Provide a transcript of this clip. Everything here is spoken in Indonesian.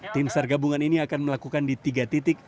tim sargabungan ini akan melakukan di tiga titik